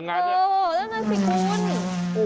เออนั่นสิคุณ